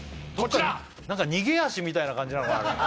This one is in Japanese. こちらなんか逃げ足みたいな感じなのかな